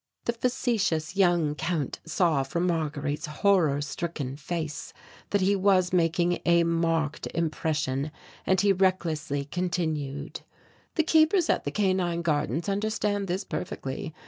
The facetious young Count saw from Marguerite's horror stricken face that he was making a marked impression and he recklessly continued: "The keepers at the Canine Gardens understand this perfectly.